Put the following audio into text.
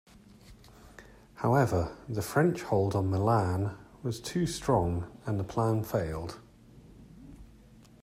However, the French hold on Milan was too strong and the plan failed.